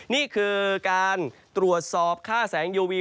นี่คือการตรวจสอบค่าแสงโยวี